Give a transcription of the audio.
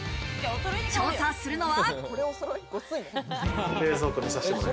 調査するのは。